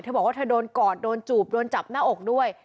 บอกว่าเธอโดนกอดโดนจูบโดนจับหน้าอกด้วย